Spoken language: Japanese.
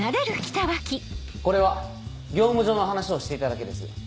これは業務上の話をしていただけです。